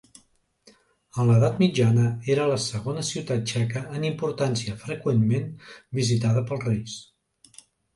En l'edat mitjana, era la segona ciutat txeca en importància, freqüentment visitada pels reis.